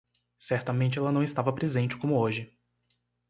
Certamente ela não estava presente como hoje.